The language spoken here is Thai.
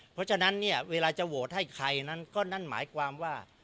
เพราะฉะนั้นเนี่ยเวลาจะโหวตให้ใครนั้นก็นั่นหมายความว่า